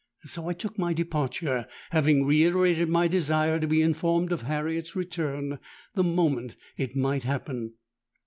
So I took my departure, having reiterated my desire to be informed of Harriet's return, the moment it might happen.